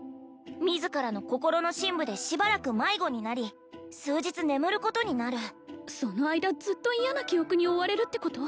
自らの心の深部でしばらく迷子になり数日眠ることになるその間ずっと嫌な記憶に追われるってこと？